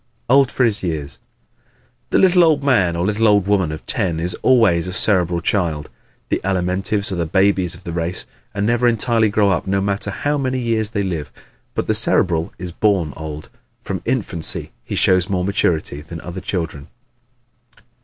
Old for His Years ¶ The "little old man" or "little old woman" of ten is always a Cerebral child. The Alimentives are the babies of the race and never entirely grow up no matter how many years they live. But the Cerebral is born old. From infancy he shows more maturity than other children.